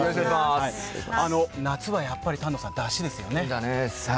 夏はやっぱりだしですよね？